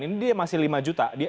ini dia masih lima juta